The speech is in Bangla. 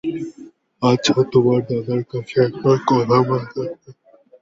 আচ্ছা, তোমার দাদার কাছে একবার কথা বলে দেখব।